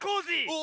お！